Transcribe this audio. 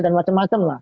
dan macam macam lah